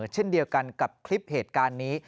เช่นเดียวกันกับคลิปเหตุการณ์นี้